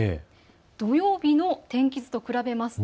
土曜日の天気図と比べますと。